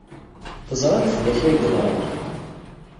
Teẓramt d acu ay yeḍran.